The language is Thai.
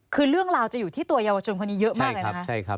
คือเรื่องราวจะอยู่ที่ตัวเยาวชนคนนี้เยอะมากเลยนะคะ